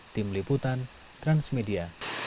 tim liputan transmedia